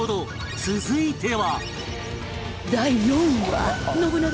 続いては